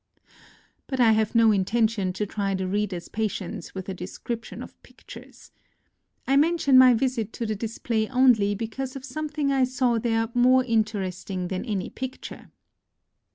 But I have no intention to try the reader's patience with a description of pictures. I mention my visit to the display only because of something I saw there more interesting than any picture.